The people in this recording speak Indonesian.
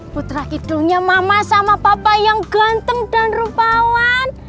putra hidungnya mama sama papa yang ganteng dan rupawan